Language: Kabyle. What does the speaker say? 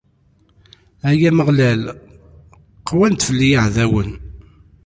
Ay Ameɣlal, qwan-d fell-i yiɛdawen.